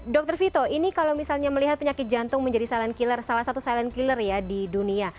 dr vito ini kalau misalnya melihat penyakit jantung menjadi silent killer salah satu silent killer ya di dunia